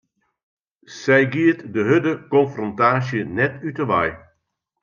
Sy giet de hurde konfrontaasje net út 'e wei.